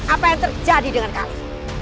apa yang terjadi dengan kami